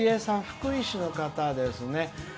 福井市の方ですね。